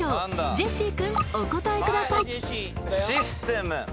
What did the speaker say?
ジェシー君お答えくださいシステム